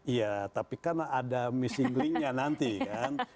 iya tapi kan ada missing link nya nanti kan